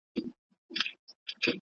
له بېرته راغلو سره مرسته وکړئ.